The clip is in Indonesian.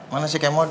mana si kemot